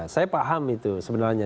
saya paham itu sebenarnya